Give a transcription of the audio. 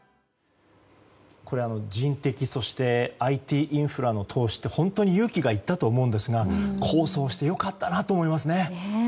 人的そしてＩＴインフラの投資って本当に勇気がいったと思うんですが功を奏して良かったなと思いますよね。